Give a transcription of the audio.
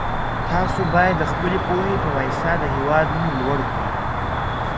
تاسو بايد د خپلي پوهي په واسطه د هېواد نوم لوړ کړئ.